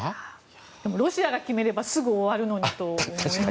でもロシアが決めればすぐ終わるのにと思います。